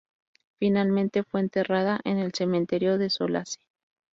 Finalmente fue enterrada en el cementerio de Solace.